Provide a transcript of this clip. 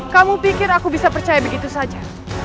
kamu pikir aku bisa percaya begitu saja